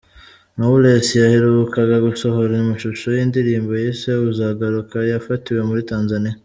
Knowless yaherukaga gusohora amashusho y’indirimbo yise "Uzagaruke" yafatiwe muri Tanzania.